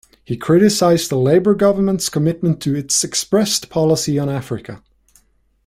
He criticised the Labour government's commitment to its expressed policy on Africa.